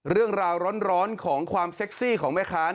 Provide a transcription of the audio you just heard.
เรื่องราวร้อนของความเซ็กซี่ของแม่ค้า